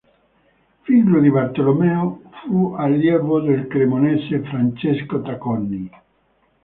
Figlio di Bartolomeo, fu allievo del cremonese Francesco Tacconi.